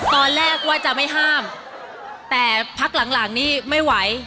ตอนแรกว่าจะไม่ห้ามแต่พักหลังหลังนี่ไม่ไหว